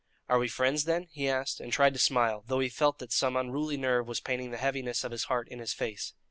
"Are we friends, then?" he asked, and tried to smile, though he felt that some unruly nerve was painting the heaviness of his heart in his face.